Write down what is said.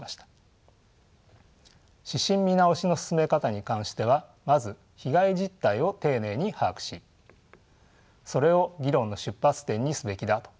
指針見直しの進め方に関してはまず被害実態を丁寧に把握しそれを議論の出発点にすべきだと提言しました。